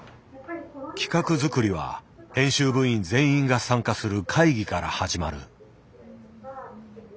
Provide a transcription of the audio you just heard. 企画作りは編集部員全員が参加する会議から始まる。